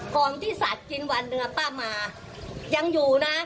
ของที่สัตว์กินวันหนึ่งป้ามายังอยู่นะ